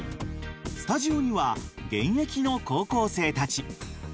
スタジオには現役の高校生たち。